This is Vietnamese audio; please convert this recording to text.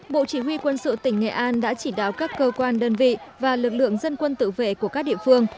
bộ chỉ huy quân sự tỉnh nghệ an đã chỉ đạo các cơ quan đơn vị và lực lượng dân quân tự vệ của các địa phương